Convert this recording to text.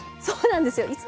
そうなんですよ！